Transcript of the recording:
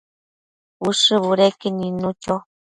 Ushë budeque nidnu cho